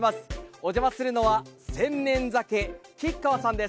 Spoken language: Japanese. お邪魔するのは千年鮭きっかわさんです。